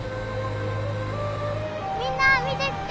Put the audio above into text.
みんな見て見て！